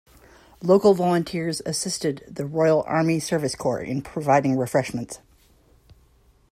Local volunteers assisted the Royal Army Service Corps in providing refreshments.